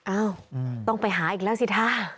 อ้าวต้องไปหาอีกแล้วสิคะ